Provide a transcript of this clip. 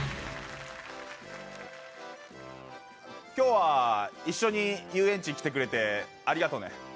今日は一緒に遊園地来てくれてありがとね